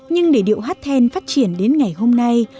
nhưng để điệu hát then phát triển đến ngày hôm nay